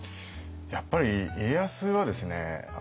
やっぱり家康はですね